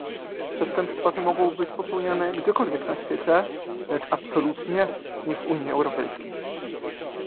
Przestępstwa te mogą być popełniane gdziekolwiek w świecie, lecz absolutnie nie w Unii Europejskiej